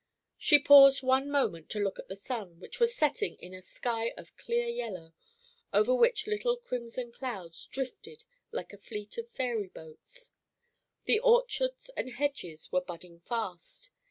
She paused one moment to look at the sun, which was setting in a sky of clear yellow, over which little crimson clouds drifted like a fleet of fairy boats. The orchards and hedges were budding fast.